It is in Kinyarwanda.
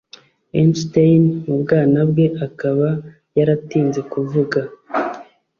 Einstein mubwana bwe akaba yaratinze kuvuga